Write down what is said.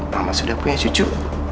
mama sudah punya cucu